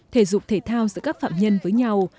thể dục thể thao giữa các phạm nhân với nhau